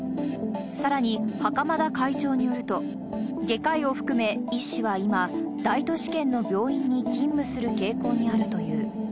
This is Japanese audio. さらに、袴田会長によると、外科医を含め、医師は今、大都市圏の病院に勤務する傾向にあるという。